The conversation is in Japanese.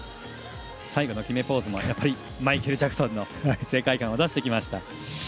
最後の決めポーズもマイケル・ジャクソンの世界観を出してきました。